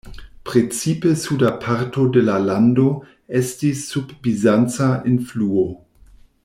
Precipe suda parto de la lando estis sub bizanca influo.